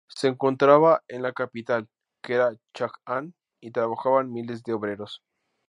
Se encontraban en la capital, que era Chang’an, y trabajaban miles de obreros.